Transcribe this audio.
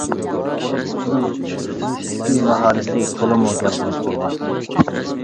بولۇپمۇ ئۇنىڭ ئۇد چېلىشتىكى ماھارىتى تولىمۇ گەۋدىلىك بولغان.